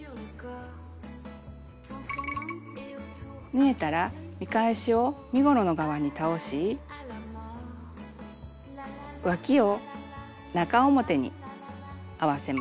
縫えたら見返しを身ごろの側に倒しわきを中表に合わせます。